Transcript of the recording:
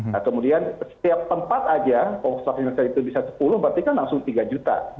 nah kemudian setiap tempat aja postor indonesia itu bisa sepuluh berarti kan langsung tiga juta